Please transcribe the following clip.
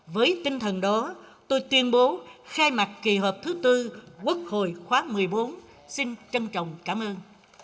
với tinh thần đó tôi tuyên bố khai mạc kỳ họp thứ tư quốc hội khóa một mươi bốn xin trân trọng cảm ơn